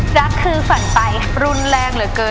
รักคือฝันไปรุนแรงเหลือเกิน